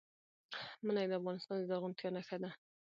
منی د افغانستان د زرغونتیا نښه ده.